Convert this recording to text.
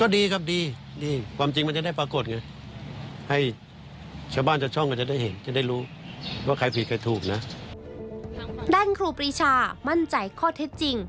ครูปรีชามั่นใจข้อเท็จจริง